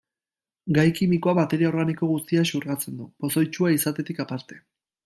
Gai kimikoa materia organiko guztia xurgatzen du, pozoitsua izatetik aparte.